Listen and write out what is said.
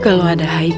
kalau ada haikal disini